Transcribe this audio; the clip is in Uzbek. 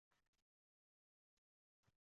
Demak barchasi tushunarli bo‘lsa